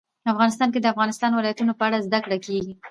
افغانستان کې د د افغانستان ولايتونه په اړه زده کړه کېږي.